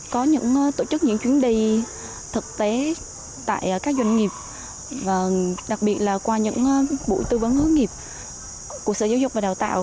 có những tổ chức những chuyến đi thực tế tại các doanh nghiệp đặc biệt là qua những buổi tư vấn hướng nghiệp của sở giáo dục và đào tạo